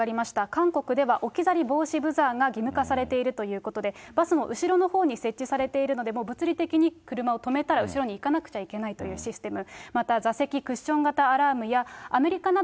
韓国では置き去り防止ブザーが義務化されているということで、バスの後ろのほうに設置されているので、もう物理的に車を止めたら、後ろに行かなくちゃいけないというシステム。